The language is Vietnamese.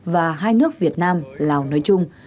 và hai nước việt nam lào nói chung